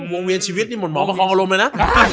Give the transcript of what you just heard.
วงเวียนชีวิตนี่หมดหมอประคองอารมณ์เลยนะ